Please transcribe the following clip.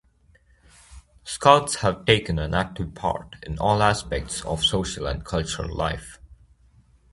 Scouts have taken an active part in all aspects of social and cultural life.